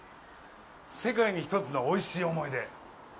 「世界にひとつのおいしい思い出」